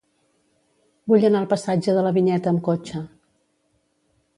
Vull anar al passatge de la Vinyeta amb cotxe.